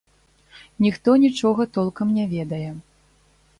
Ніхто нічога толкам не ведае.